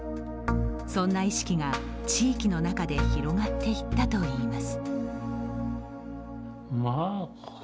そんな意識が地域の中で広がっていったといいます。